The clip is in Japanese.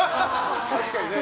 確かにね。